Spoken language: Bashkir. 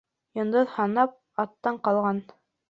Йондоҙ һанап, аттан ҡалған.